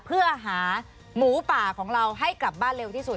เพื่อหาหมูป่าของเราให้กลับบ้านเร็วที่สุด